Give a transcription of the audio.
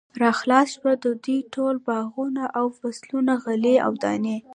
را خلاص شو، د دوی ټول باغونه او فصلونه، غلې او دانې